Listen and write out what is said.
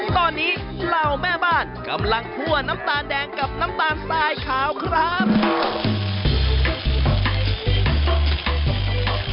ตอนนี้เหล่าแม่บ้านกำลังคั่วน้ำตาลแดงกับน้ำตาลทรายขาวครับ